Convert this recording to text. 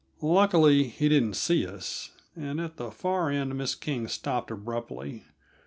Luckily, he didn't see us, and at the far end Miss King stopped abruptly.